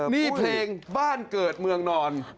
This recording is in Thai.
นี่เพลงบ้านเกิดเมืองนอน